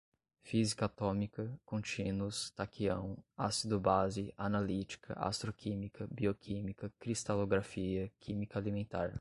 física atômica, contínuos, taquião, ácido-base, analítica, astroquímica, bioquímica, cristalografia, química alimentar